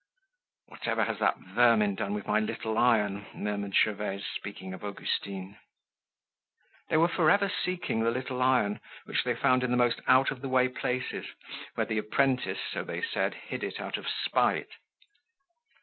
"Whatever has that vermin done with my little iron?" murmured Gervaise, speaking of Augustine. They were for ever seeking the little iron, which they found in the most out of the way places, where the apprentice, so they said, hid it out of spite.